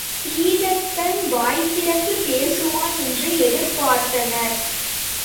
சீதத்தன் வாய் திறந்து பேசுவான் என்று எதிர்பார்த்தனர்.